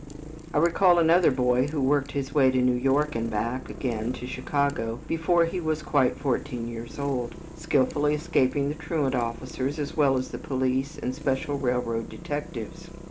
I recall another boy who worked his way to New York and back again to Chicago before he was quite fourteen years old, skilfully escaping the truant officers as well as the police and special railroad detectives.